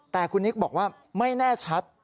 แต่คุณนิกบอกว่าไม่แน่ชัด